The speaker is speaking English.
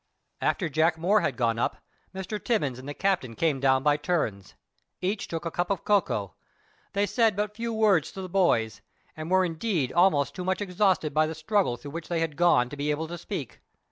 After Jack Moore had gone up Mr. Timmins and the captain came down by turns. Each took a cup of cocoa. They said but few words to the boys, and were indeed almost too much exhausted by the struggle through which they had gone to be able to speak.